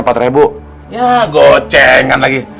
yah gocengan lagi